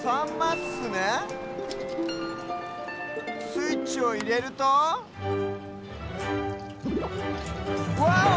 スイッチをいれるとワオ！